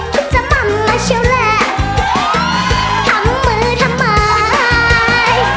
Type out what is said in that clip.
คิดจะมั่นมาเชียวแรกทำมือทำไม